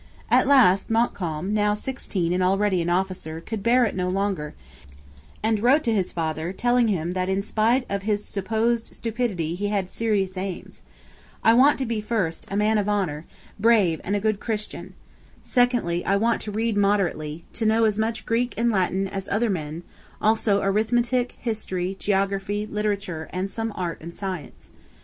At last Montcalm, now sixteen and already an officer, could bear it no longer, and wrote to his father telling him that in spite of his supposed stupidity he had serious aims. 'I want to be, first, a man of honour, brave, and a good Christian. Secondly, I want to read moderately; to know as much Greek and Latin as other men; also arithmetic, history, geography, literature, and some art and science.